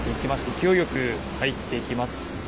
勢いよく入っていきます。